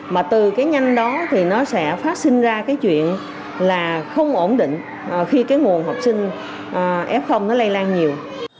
mà từ cái nhanh đó thì nó sẽ phát sinh ra cái chuyện là không ổn định khi cái nguồn học sinh f nó lây lan nhiều